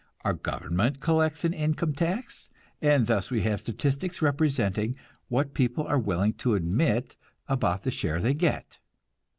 Our government collects an income tax, and thus we have statistics representing what people are willing to admit about the share they get.